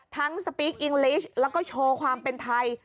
ทั้งพูดภาษาอังกฤษแล้วก็โชว์ความเป็นไทย